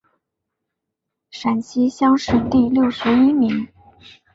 陕西乡试第六十一名。